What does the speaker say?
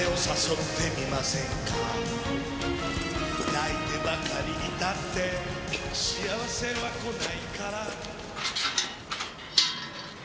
「泣いてばかりいたって幸せは来ないから」